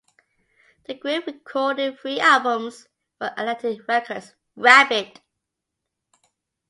The group recorded three albums for Atlantic Records: Grab It!